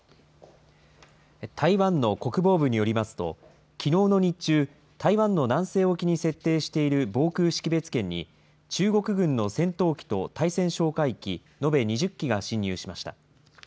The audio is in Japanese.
台湾の国防部によりますと、きのうの日中、台湾の南西沖に設定している防空識別圏に中国軍の戦闘機と対潜哨戒機延べ２０機が進入しました。